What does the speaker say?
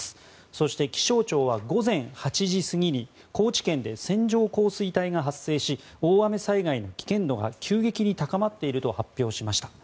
そして、気象庁は午前８時過ぎに高知県で線状降水帯が発生し大雨災害の危険度が急激に高まっていると発表しました。